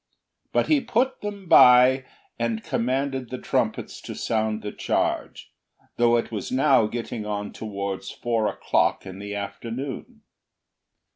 But he put them by, and commanded the trumpets to sound the charge, though it was now getting on towards four o'clock in the afternoon.